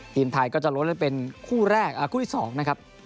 ทีมไทยก็จะลดลงเป็นคู่แรกคู่ที่๒นะครับ